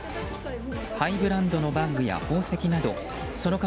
ハイブランドのバッグや宝石などその数